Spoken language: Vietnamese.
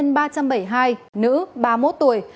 ba trăm bảy mươi hai là nữ ba mươi một tuổi